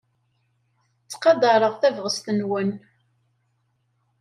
Ttqadareɣ tabɣest-nwen.